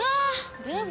でも。